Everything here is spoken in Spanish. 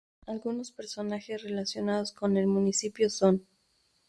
Algunos personajes relacionados con el municipio son.